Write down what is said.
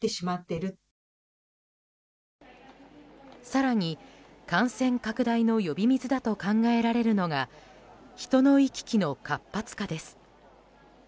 更に感染拡大の呼び水だと考えられるのが人の行き来の活発化です。